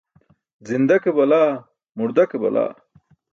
Zinda ke balaa, murda ke balaa.